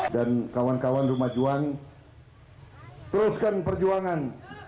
dan kawan kawan rumah juang teruskan perjuangan